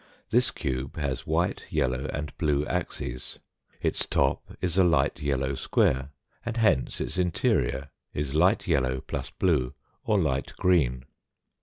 This cube has white, yellow, and blue axes. Its top is a light yellow square, and hence its interior is light yellow + blue or light green.